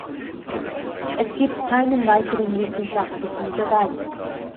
Es gibt keinen weiteren wissenschaftlichen Beweis.